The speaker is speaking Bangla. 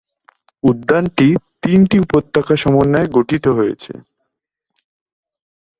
উদ্যানটি তিনটি উপত্যকা সমন্বয়ে গঠিত হয়েছে।